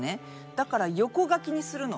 だから横書きにするの。